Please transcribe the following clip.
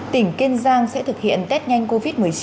tỉnh kiên giang sẽ thực hiện test nhanh covid một mươi chín